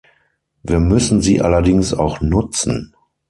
Wir müssen sie allerdings auch nutzen.